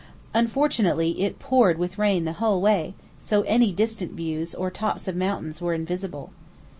Unfortunately it poured with rain the whole way, so any distant views or tops of mountains were invisible.